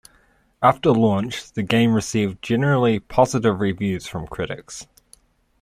After launch, the game received generally positive reviews from critics.